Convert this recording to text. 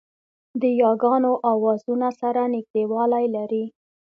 د یاګانو آوازونه سره نږدېوالی لري